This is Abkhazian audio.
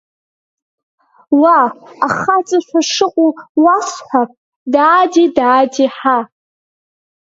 Уа, ахаҵашәа шыҟоу уасҳәап, даади, даади, ҳаа!